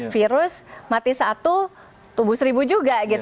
virus mati satu tubuh seribu juga